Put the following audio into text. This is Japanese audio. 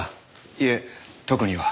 いえ特には。